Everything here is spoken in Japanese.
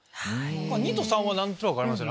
２と３は何となく分かりますよね。